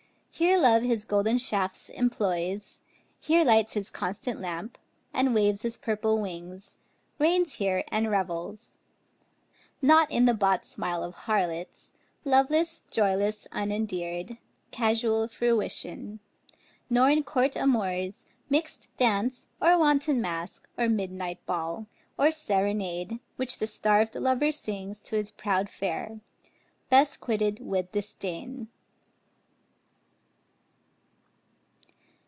Here Love his golden shafts employs, here lights His constant lamp, and waves his purple wings, Reigns here and revels; not in the bought smile Of harlots, loveless, joyless, unendear'd, Casual fruition; nor in court amours, Mix'd dance, or wanton mask, or midnight ball, Or serenade, which the starved lover sings To his proud fair, best quitted with disdain.